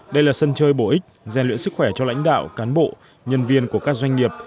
đây là sân chơi bổ ích gian luyện sức khỏe cho lãnh đạo cán bộ nhân viên của các doanh nghiệp